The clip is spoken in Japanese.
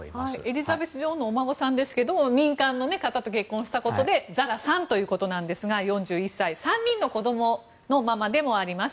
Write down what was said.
エリザベス女王のお孫さんですけど民間の方と結婚したことでザラさんということなんですが４１歳３人の子供のママでもあります。